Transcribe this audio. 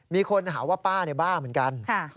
มีคนหาว่าป้าบ้าเหมือนกัน